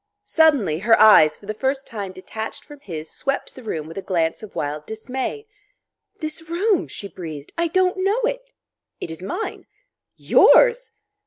Suddenly her eyes, for the first time detached from his, swept the room with a glance of wild dismay. "This room," she breathed "I don't know it " "It is mine." "Yours!